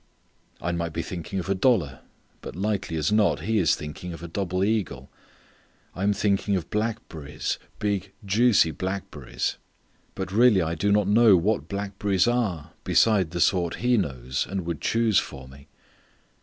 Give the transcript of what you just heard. I might be thinking of a dollar, but likely as not He is thinking of a double eagle. I am thinking of blackberries, big, juicy blackberries, but really I do not know what blackberries are beside the sort He knows and would choose for me.